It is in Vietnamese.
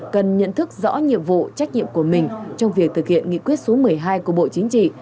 cần nhận thức rõ nhiệm vụ trách nhiệm của mình trong việc thực hiện nghị quyết số một mươi hai của bộ chính trị